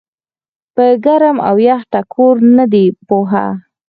پۀ ګرم او يخ ټکور نۀ دي پوهه